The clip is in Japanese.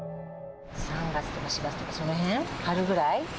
３月とか４月とか、そのへん、春ぐらい。